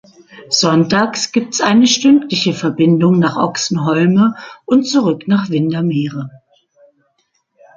Sonntags gibt es eine stündliche Verbindung nach Oxenholme und zurück nach Windermere.